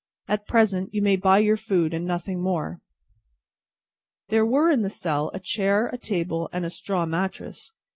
At present, you may buy your food, and nothing more." There were in the cell, a chair, a table, and a straw mattress.